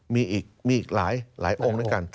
มีอีกหลายองค์ด้วยกัน